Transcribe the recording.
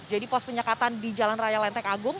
jadi pos penyekatan di jalan raya lenteng agung